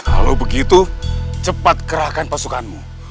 kalau begitu cepat kerahkan pasukanmu